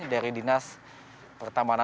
dari dinas pertama